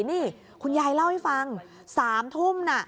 นี่คุณยายเล่าให้ฟัง๓ทุ่มน่ะ